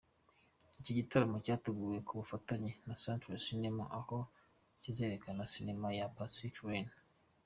Iki gitaramo cyateguwe ku bufatanye na centery cinema; aho bazerekana Cinema ya Pacific Rim.